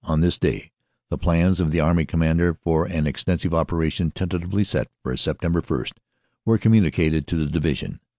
On this day the plans of the Army Commander for an extensive operation tentatively set for Sept. 1, were communi cated to the Division.